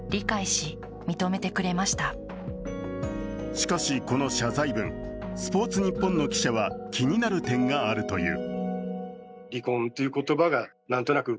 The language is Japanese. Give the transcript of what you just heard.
しかし、この謝罪文「スポーツニッポン」の記者は気になる点があるという。